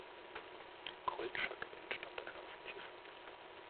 Koltschak entstammte einer Offiziersfamilie.